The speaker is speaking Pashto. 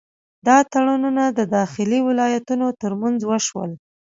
دا تړونونه د داخلي ولایتونو ترمنځ وشول.